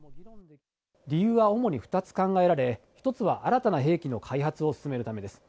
理由は主に２つ考えられ、１つは新たな兵器の開発を進めるためです。